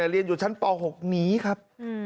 เรียนอยู่ชั้นป๖หนีครับ